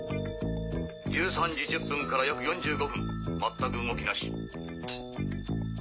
１３時１０分から約４５分全く動きなし。